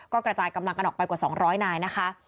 ก็กระจายกำลังกันออกไปกว่า๒๐๐นายนะคะ